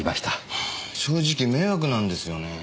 はぁ正直迷惑なんですよねぇ。